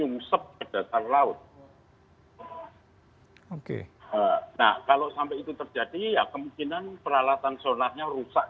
ya kemungkinan peralatan sonarnya rusak dan rusaknya